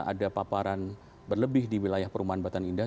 ada paparan berlebih di wilayah perumahan batan indah